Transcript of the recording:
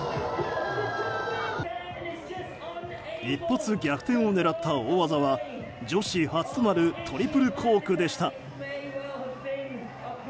一発逆転を狙った大技は女子初となるトリプルコークでした。